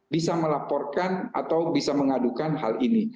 bisa melaporkan atau bisa mengadukan hal ini